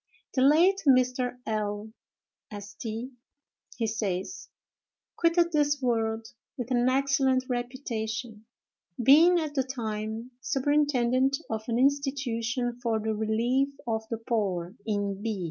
The late Mr. L—— St. ——, he says, quitted this world with an excellent reputation, being at the time superintendent of an institution for the relief of the poor in B——.